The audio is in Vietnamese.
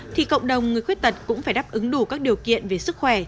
thì cộng đồng người khuyết tật cũng phải đáp ứng đủ các điều kiện về sức khỏe